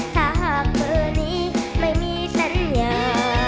ถ้าหากเบอร์นี้ไม่มีสัญญา